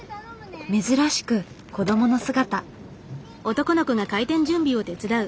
珍しく子どもの姿。